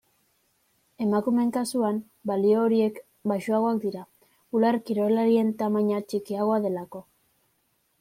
Emakumeen kasuan, balio horiek baxuagoak dira, bular-kaiolaren tamaina txikiagoa delako.